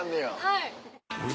はい。